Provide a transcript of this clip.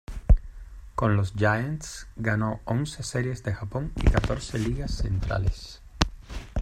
Con los Giants, ganó once Series de Japón y catorce ligas centrales.